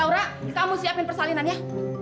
laura kamu siapin persalinan ya